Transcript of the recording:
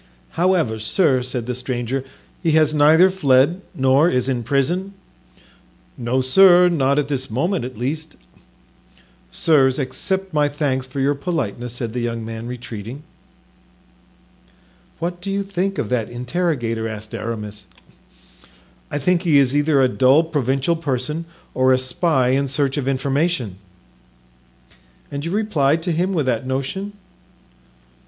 "However, sir," said the stranger, "he has neither fled nor is in prison?" "No, sir, not at this moment at least." "Sirs, accept my thanks for your politeness," said the young man, retreating. "What do you think of that interrogator?" asked Aramis. "I think he is either a dull provincial person or a spy in search of information." "And you replied to him with that notion?"